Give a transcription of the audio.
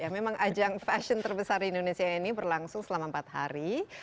memang ajang fashion terbesar di indonesia ini berlangsung selama empat hari